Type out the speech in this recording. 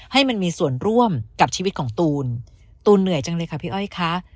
ให้มันมีส่วนร่วมกับชีวิตของตูนตูนเหนื่อยจังเลยค่ะพี่อ้อยคะ